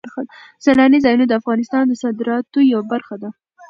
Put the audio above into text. سیلاني ځایونه د افغانستان د صادراتو یوه برخه ده.